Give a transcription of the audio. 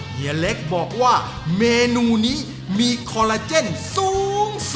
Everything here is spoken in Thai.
เฮียเล็กบอกว่าเมนูนี้มีคอลลาเจนสูงสุด